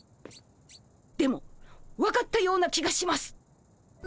でも分かったような気がします。